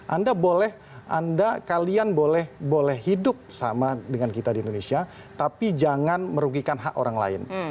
anda boleh anda kalian boleh hidup sama dengan kita di indonesia tapi jangan merugikan hak orang lain